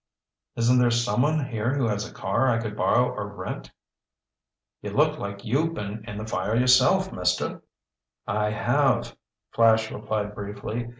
"Isn't there someone here who has a car I could borrow or rent?" "You look like you been in the fire yourself, Mister." "I have," Flash replied briefly.